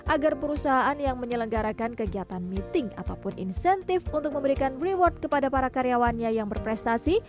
agar perusahaan yang menyelenggarakan kegiatan meeting ataupun insentif untuk memberikan reward kepada para karyawannya yang berprestasi